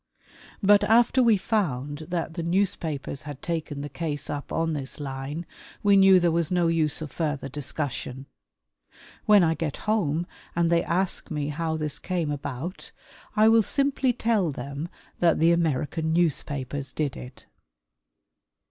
But after we found that the newspapers had taken the case up on this line, we knew there was no use of further discussion. When I get home and they ask me how this came about, I will simply tell them that the American newspapers did it.